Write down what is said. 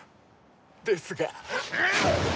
ですが。